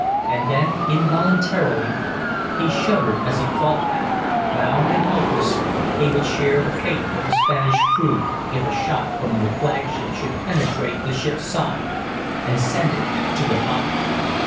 And then, involuntarily, he shuddered as he thought that, bound and helpless, he would share the fate of the Spanish crew if a shot from the flagship should penetrate the ship's side and send it to the bottom!